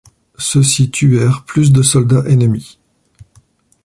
Ceux-ci tuèrent plus de soldats ennemis.